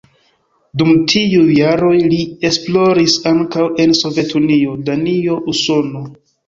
Dum tiuj jaroj li esploris ankaŭ en Sovetunio, Danio, Usono.